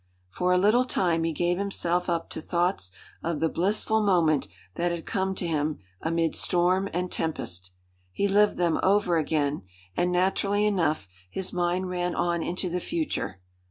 For a little time he gave himself up to thoughts of the blissful moment that had come to him amid storm and tempest. He lived them over again; and, naturally enough, his mind ran on into the future.